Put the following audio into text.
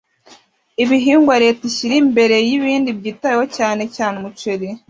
ibihingwa leta ishyira imbere y ibindi byitaweho cyane cyane umuceri